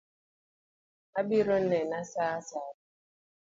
Obiro nena saa ka sa